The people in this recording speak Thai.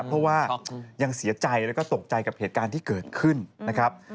เพราะว่ายังเสียใจแล้วก็ตกใจกับเหตุการณ์ที่เกิดขึ้นนะครับ